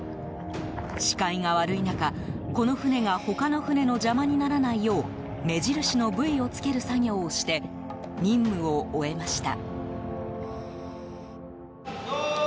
視界が悪い中、この船が他の船の邪魔にならないよう目印のブイをつける作業をして任務を終えました。